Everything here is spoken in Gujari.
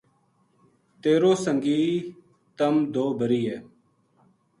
تیر و سنگی تم دو بری ہے